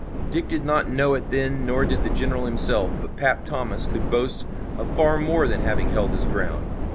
Dick did not know it then nor did the general himself, but 'Pap' Thomas could boast of far more than having held his ground.